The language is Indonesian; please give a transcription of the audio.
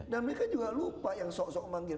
dan mereka juga lupa yang sok sok manggil